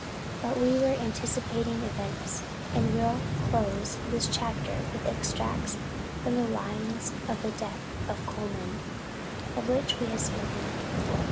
But we are anticipating events; and will close this chapter with extracts from the "Lines on the death of Colman," of which we have spoken.